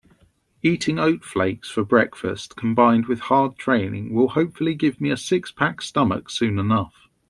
Eating oat flakes for breakfast combined with hard training will hopefully give me a six-pack stomach soon enough.